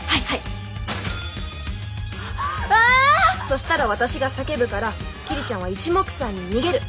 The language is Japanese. そしたら私が叫ぶから桐ちゃんはいちもくさんに逃げる！